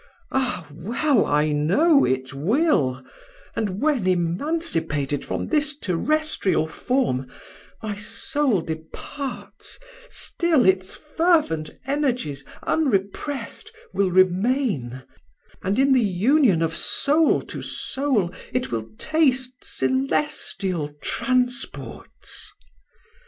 Ah! well I know it will; and when emancipated from this terrestrial form, my soul departs; still its fervent energies unrepressed, will remain; and in the union of soul to soul, it will taste celestial transports."